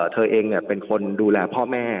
เธอเองเป็นคนดูแลพ่อแม่